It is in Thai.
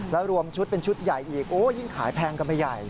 แล้วรวมชุดเป็นชุดใหญ่อีกโอ้ยิ่งขายแพงกันไปใหญ่